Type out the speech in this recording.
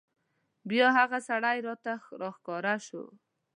بیا هغه سړی راته راښکاره شو.